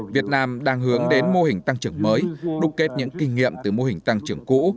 việt nam đang hướng đến mô hình tăng trưởng mới đúc kết những kinh nghiệm từ mô hình tăng trưởng cũ